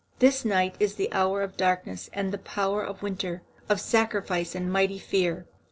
This night is the hour of darkness and the power of winter, of sacrifice and mighty fear.